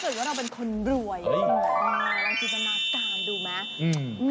ถ้าเกิดว่าเราเป็นคนรวยแล้วจิตนาตาลดูมั้ย